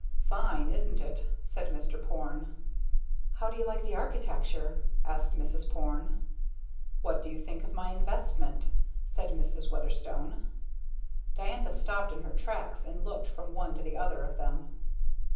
"Fine, isn't it?" said Mr. Porne. "How do you like the architecture?" asked Mrs. Porne. "What do you think of my investment?" said Mrs. Weatherstone. Diantha stopped in her tracks and looked from one to the other of them.